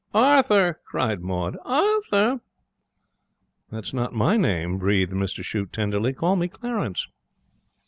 'Arthur!' cried Maud. 'Arthur!' 'It's not my name' breathed Mr Shute, tenderly. 'Call me Clarence.'